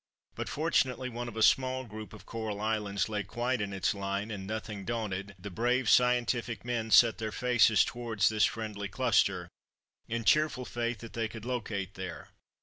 But fortunately one of a small group of coral islands lay quite in its line, and, nothing daunted, the brave scientific men set their faces toward this friendly cluster, in cheerful faith that they could locate there.